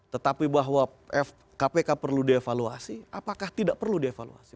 tetapi bahwa kpk perlu dievaluasi apakah tidak perlu dievaluasi